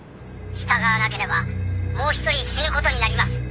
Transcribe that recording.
「従わなければもう１人死ぬ事になります」